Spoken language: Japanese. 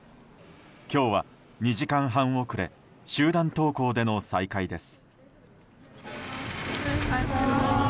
今日は２時間半遅れ集団登校での再開です。